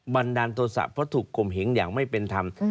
เพราะถูกคมเห็งอย่างไม่เป็นธรรม